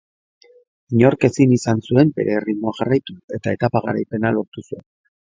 Inork ezin izan zuen bere erritmoa jarraitu eta etapa garaipena lortu zuen.